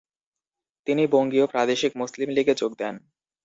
তিনি বঙ্গীয় প্রাদেশিক মুসলিম লীগে যোগ দেন।